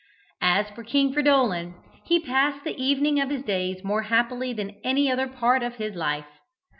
As for King Fridolin, he passed the evening of his days more happily than any other part of his life.